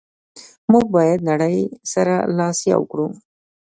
موږ باید نړی سره لاس یو کړو.